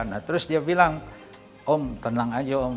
nah terus dia bilang om tenang aja om